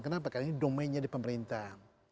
kenapa karena ini domainnya di pemerintah